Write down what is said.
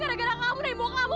gara gara kamu dan ibu kamu